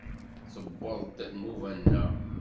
Tewweḍ-d nnuba-nneɣ!